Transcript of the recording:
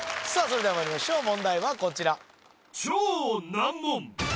それではまいりましょう問題はこちら